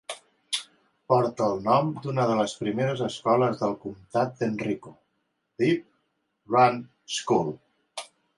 Porta el nom d'una de les primeres escoles del comtat d'Henrico: Deep Run School.